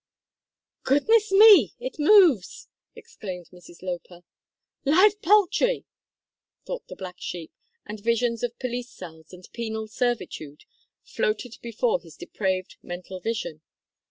"Goodness me! it moves!" exclaimed Mrs Loper. "Live poultry!" thought the black sheep, and visions of police cells and penal servitude floated before his depraved mental vision.